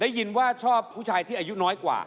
ได้ยินว่าชอบผู้ชายที่อายุน้อยกว่า